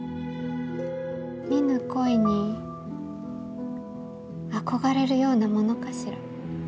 見ぬ恋にあこがれるようなものかしら。